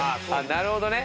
なるほどね。